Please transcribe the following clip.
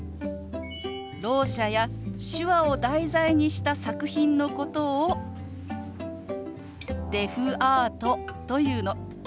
ろう者や手話を題材にした作品のことをデフアートと言うの。